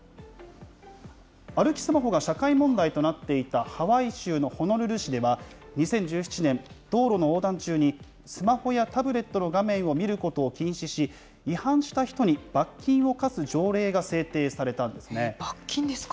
歩きスマホが社会問題となっていたハワイ州のホノルル市では、２０１７年、道路の横断中に、スマホやタブレットの画面を見ることを禁止し、違反した人に罰金を科罰金ですか。